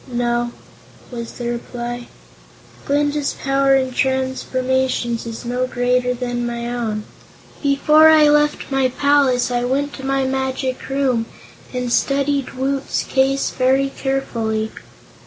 "No," was the reply. "Glinda's power in transformations is no greater than my own. Before I left my palace I went to my Magic Room and studied Woot's case very carefully.